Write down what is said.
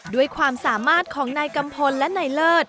ด้วยความสามารถของนายกัมพลและนายเลิศ